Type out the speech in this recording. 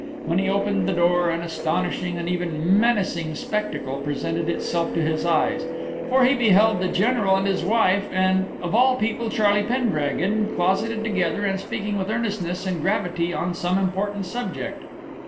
When he opened the door an astonishing and even menacing spectacle presented itself to his eyes; for he beheld the General and his wife and, of all people, Charlie Pendragon, closeted together and speaking with earnestness and gravity on some important subject.